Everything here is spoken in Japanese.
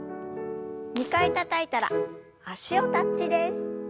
２回たたいたら脚をタッチです。